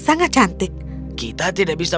sangat cantik kita tidak bisa